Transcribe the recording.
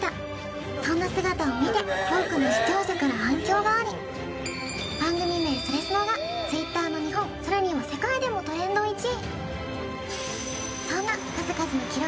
そんな姿を見て多くの視聴者から反響があり番組名「それスノ」がＴｗｉｔｔｅｒの日本、更には世界でもトレンド１位。